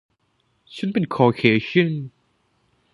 ฉันเป็นคอร์เคเชี่ยน